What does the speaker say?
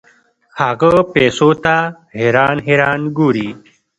هغه پیسو ته حیران حیران ګوري.